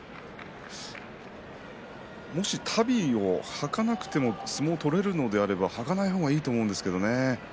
もし足袋をはかなくても相撲を取れるのであればはかない方がいいと思うんですよね。